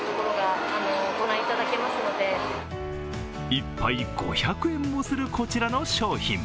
１杯５００円もする、こちらの商品。